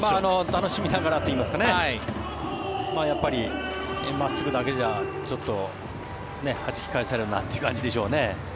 楽しみながらといいますかやっぱり、真っすぐだけじゃちょっとはじき返されるなという感じでしょうね。